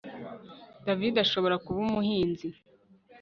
David ashobora kuba umuhinzi